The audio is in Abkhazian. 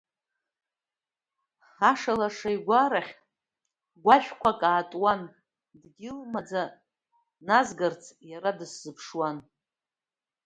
Аша лаша игәарахь гәашәқәак атуан, дгьыл маӡа назгарц иара дысзыԥшуан.